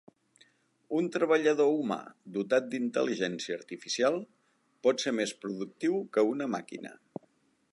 Un treballador humà dotat d'intel·ligència artificial pot ser més productiu que una màquina.